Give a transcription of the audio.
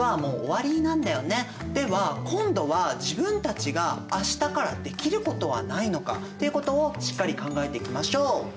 では今度は自分たちが明日からできることはないのかっていうことをしっかり考えていきましょう。